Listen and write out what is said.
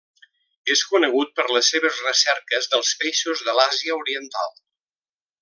És conegut per a les seves recerques dels peixos de l'Àsia Oriental.